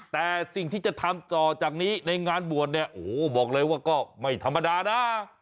แต่สิ่งที่จะทำต่อจากนี้ในงานบวชเนี่ยโอ้โหบอกเลยว่าก็ไม่ธรรมดานะ